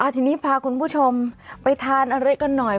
ทีนี้พาคุณผู้ชมไปทานอะไรกันหน่อย